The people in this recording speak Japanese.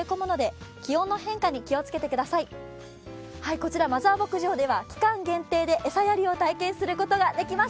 こちらマザー牧場では期間限定で餌やりを体験することができます。